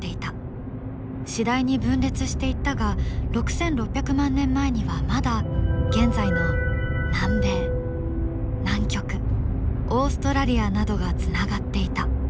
次第に分裂していったが６６００万年前にはまだ現在の南米南極オーストラリアなどがつながっていた。